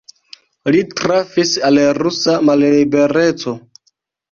Li trafis al rusa mallibereco.